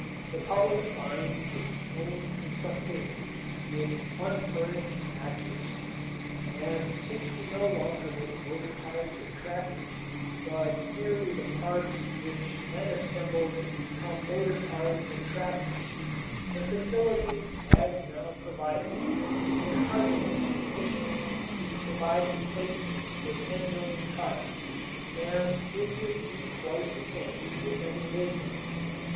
The public finds its own consumptive needs with unerring accuracy, and since we no longer make motor cars or tractors, but merely the parts which when assembled become motor cars and tractors, the facilities as now provided would hardly be sufficient to provide replacements for ten million cars. And it would be quite the same with any business.